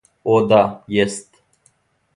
О да, јест.